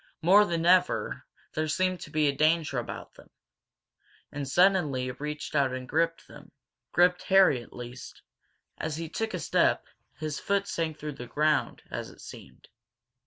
More than ever there seemed to be danger about them. And suddenly it reached out and gripped them gripped Harry, at least. As he took a step his foot sank through the ground, as it seemed.